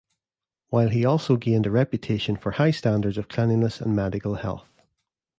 While he also gained a reputation for high standards of cleanliness and medical health.